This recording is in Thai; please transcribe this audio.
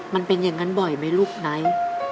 มันเป็นอย่างนั้นบ่อยไหมลูกไนท์